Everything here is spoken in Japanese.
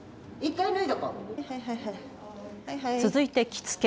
続いて着付け。